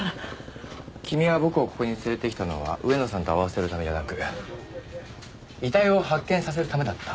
君が僕をここに連れてきたのは上野さんと会わせるためじゃなく遺体を発見させるためだった。